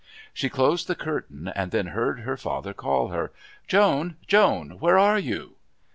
She closed the curtain and then heard her father call her. "Joan! Joan! Where are you?"